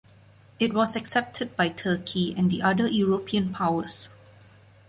It was accepted by Turkey and the other European powers.